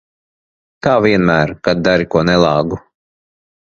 Kā vienmēr, kad dari ko nelāgu.